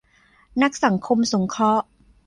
นักสังคมสงเคราะห์